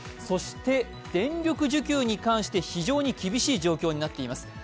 そして電力需給に関して非常に厳しい状況になっています。